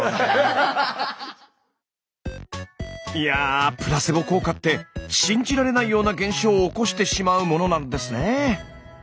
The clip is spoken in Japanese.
いやプラセボ効果って信じられないような現象を起こしてしまうものなんですね。